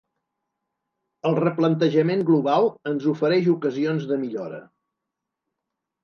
El replantejament global ens ofereix ocasions de millora.